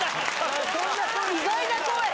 意外な声